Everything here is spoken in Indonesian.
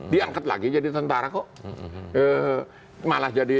diangkat lagi jadi tentara kok malah jadi